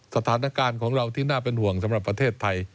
สถานการณ์ของเราที่น่าเป็นห่วงสำหรับประเทศไทย